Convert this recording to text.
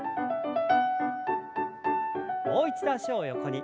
もう一度脚を横に。